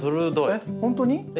えっ本当に？